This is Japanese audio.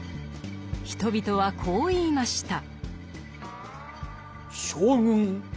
人々はこう言いました。